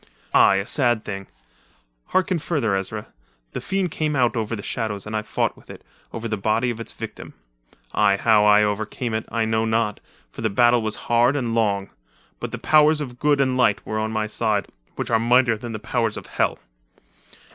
"Aye, a sad thing. Harken further, Ezra. The fiend came out of the shadows and I fought with it over the body of its victim. Aye, how I overcame it, I know not, for the battle was hard and long but the powers of good and light were on my side, which are mightier than the powers of Hell.